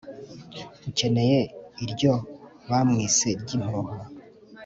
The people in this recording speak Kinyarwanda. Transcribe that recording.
Ureke iryo bamwise ryimpuha